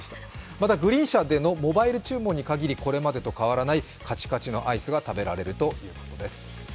また、グリーン車でのモバイル注文にかぎり、これまでと変わらないカチカチのアイスが食べられるということです。